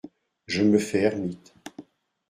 Je me fais ermite.